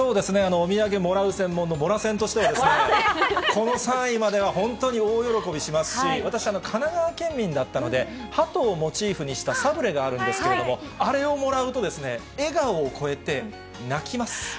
お土産もらう専門の、もらせんとしては、この３位までは本当に大喜びしますし、私、神奈川県民だったので、鳩をモチーフにしたサブレがあるんですけれども、あれをもらうと笑顔を超えて、泣きます。